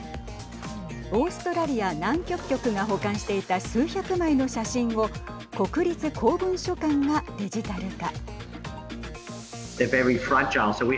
オーストラリア南極局が保管していた数百枚の写真を国立公文書館がデジタル化。